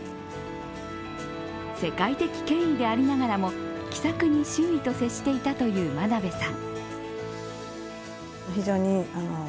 世界的権威でありながらも気さくに周囲と接していたという真鍋さん。